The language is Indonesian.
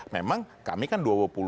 memang kami kan dua puluh